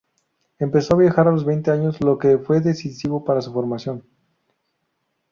Empezó a viajar a los veinte años, lo que fue decisivo para su formación.